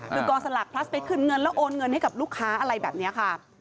คือกองสลากพลัสไปขึ้นเงินแล้วโอนเงินให้กับลูกค้าอะไรแบบนี้ค่ะ